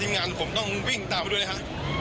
ที่บินการของผมต้องวิ่งตามมาดูเลยฮะ